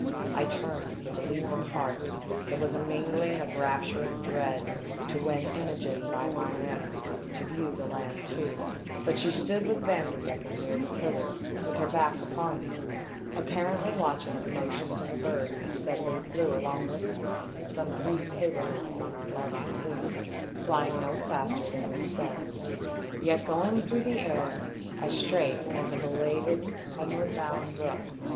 I turned, with a leap of heart that was a mingling of rapture and dread, to win Imogene by my manner to view the land too, but she stood with Vanderdecken near the tiller, with her back upon me, apparently watching the motions of a bird that steadily flew along with us, some three cables length on our larboard quarter, flying no faster than we sailed, yet going through the air as straight 452 THE DEATH SHIP. as a belated homeward bound rook.